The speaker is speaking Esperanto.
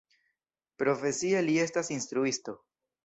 Profesie, li estas instruisto.